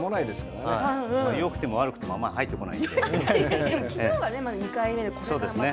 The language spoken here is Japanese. よくても悪くても入ってこないのでね。